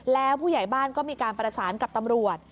แล้วผู้ใหญ่บ้านก็มีการประสานกับตำรวจ